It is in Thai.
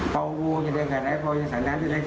กลัวว่ากิฟท์เพราะกลัวตกใจแน่